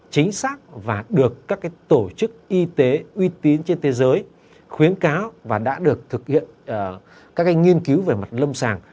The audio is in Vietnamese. chính xác và được các tổ chức y tế uy tín trên thế giới khuyến cáo và đã được thực hiện các nghiên cứu về mặt lâm sàng